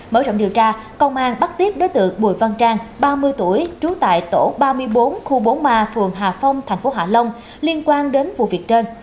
mở rộng điều tra công an bắt tiếp đối tượng bùi văn trang ba mươi tuổi trú tại tổ ba mươi bốn khu bốn ma phường hà phong tp hạ long liên quan đến vụ việc trên